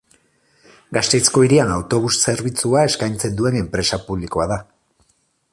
Gasteizko hirian autobus zerbitzua eskaintzen duen enpresa publikoa da.